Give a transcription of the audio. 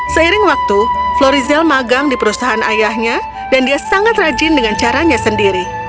seiring waktu florizel magang di perusahaan ayahnya dan dia sangat rajin dengan caranya sendiri